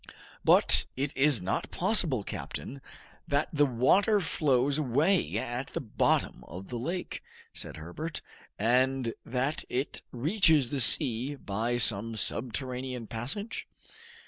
"But is it not possible, captain, that the water flows away at the bottom of the lake," said Herbert, "and that it reaches the sea by some subterranean passage?"